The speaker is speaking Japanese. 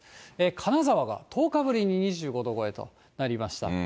金沢が１０日ぶりに２５度超えとなりました。